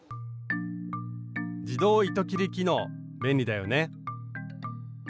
自動糸切り機能便利だよね。